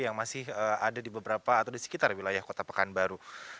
yang masih ada di beberapa atau di sekitar wilayah kota pekanbaru